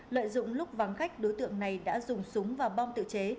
lợi dụng lúc vắng khách đối tượng này đã dùng súng và bom tự chế